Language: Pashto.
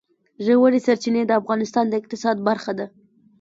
ژورې سرچینې د افغانستان د اقتصاد برخه ده.